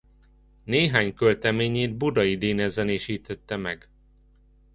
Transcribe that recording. Néhány költeményét Buday Dénes zenésítette meg.